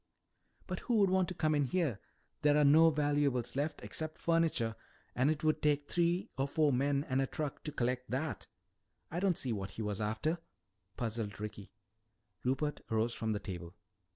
"But who would want to come in here? There are no valuables left except furniture. And it would take three or four men and a truck to collect that. I don't see what he was after," puzzled Ricky. Rupert arose from the table.